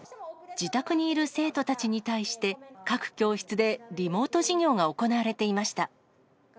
自宅にいる生徒たちに対して、各教室でリモート授業が行われていました。